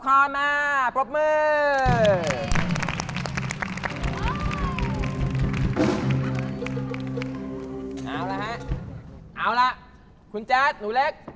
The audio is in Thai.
โอ้โห